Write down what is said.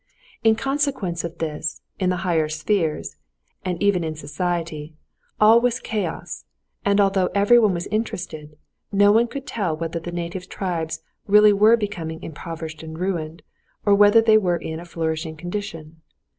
In consequence of this, in the higher spheres, and even in society, all was chaos, and although everyone was interested, no one could tell whether the native tribes really were becoming impoverished and ruined, or whether they were in a flourishing condition.